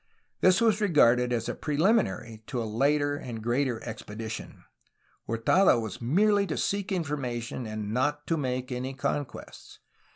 This was regarded as a preliminary to a later and greater expedition. Hurtado was merely to seek information and not to make any conquests.